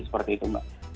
seperti itu mbak